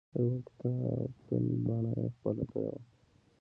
د یوه کتابتون بڼه یې خپله کړې وه.